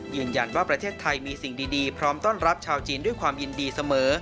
ประเทศไทยมีสิ่งดีพร้อมต้อนรับชาวจีนด้วยความยินดีเสมอ